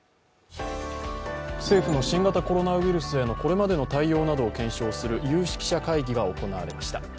政府の新型コロナウイルスへのこれまでの対応などを検証する有識者会議が行われました。